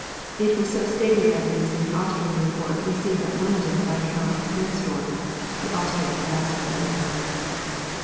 It was so stated at least in the Austrian report received at London by Count Mensdorff (the Austrian Ambassador to England).